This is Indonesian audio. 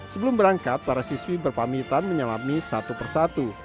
sebelum berangkat para siswi berpamitan menyelami satu persatu